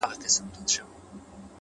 مهرباني د کینې ځای تنګوي,